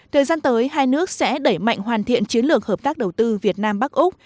thời gian tới hai nước sẽ đẩy mạnh hoàn thiện chiến lược hợp tác đầu tư việt nam bắc úc